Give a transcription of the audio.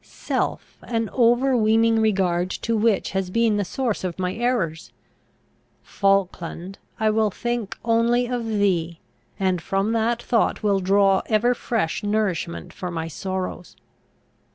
self, an overweening regard to which has been the source of my errors! Falkland, I will think only of thee, and from that thought will draw ever fresh nourishment for my sorrows!